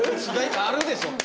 あるでしょ！